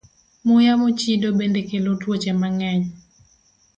Muya mochido bende kelo tuoche mang'eny.